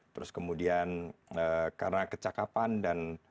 terus kemudian karena kecakapan dan